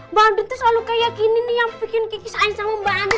mbak andi tuh selalu kayak gini nih yang bikin kiki sayang sama mbak andi